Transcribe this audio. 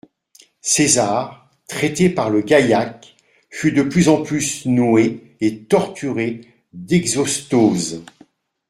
César, traité par le gaïac, fut de plus en plus noué et torturé d'exostoses.